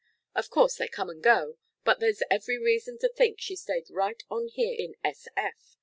Of course, they come and go, but there's every reason to think she stayed right on here in S.F.